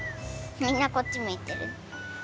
みんなこっちむいてる。